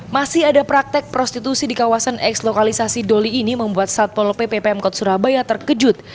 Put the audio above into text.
masih ada praktek prostitusi di kawasan eks lokalisasi doli ini membuat satpol pppm kota surabaya terkejut